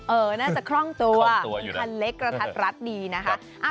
น่าจะคล่องตัวเป็นคันเล็กกระทัดรัดดีนะคะ